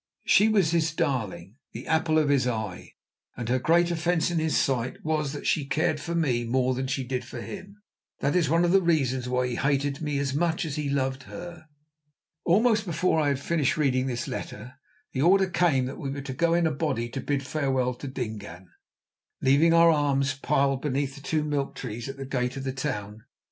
She was his darling, the apple of his eye, and her great offence in his sight was that she cared for me more than she did for him. That is one of the reasons why he hated me as much as he loved her. Almost before I had finished reading this letter, the order came that we were to go in a body to bid farewell to Dingaan, leaving our arms piled beneath the two milk trees at the gate of the town.